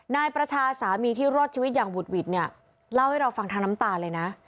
นายประชาสามีที่รอดชีวิตอย่างหุดหวิดเนี่ยเล่าให้เราฟังทางน้ำตาเลยนะ